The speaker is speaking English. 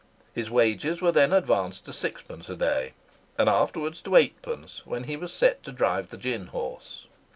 His wages were then advanced to sixpence a day, and afterwards to eightpence when he was set to drive the gin horse.